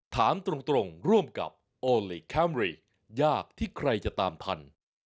ถามตรงร่วมกับโอลี่คัมรี่ยากที่ใครจะตามทัน